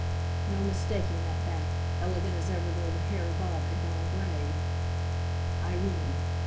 No mistaking that back, elegant as ever though the hair above had gone grey. Irene!